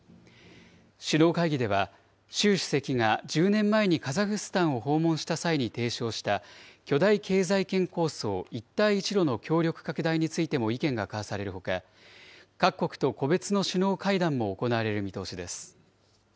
首脳会議では、習主席が１０年前にカザフスタンを訪問した際に提唱した巨大経済圏構想、一帯一路の協力拡大についても意見が交わされるほか、各国と個別の首脳会談も行われる見通しです。